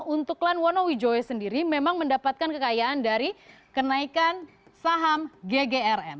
untuk klan wono wijoyo sendiri memang mendapatkan kekayaan dari kenaikan saham ggrm